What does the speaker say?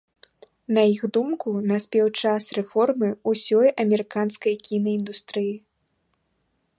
На іх думку, наспеў час рэформы ўсёй амерыканскай кінаіндустрыі.